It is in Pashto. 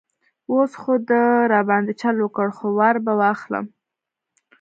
اوس خو ده را باندې چل وکړ، خو وار به اخلم.